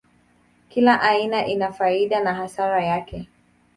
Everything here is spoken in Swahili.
Kila aina ina faida na hasara yake.